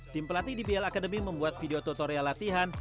tim pelatih dbl academy membuat video tutorial latihan